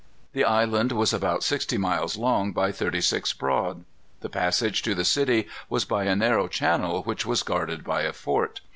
The island was about sixty miles long by thirty six broad. The passage to the city was by a narrow channel which was guarded by a fort.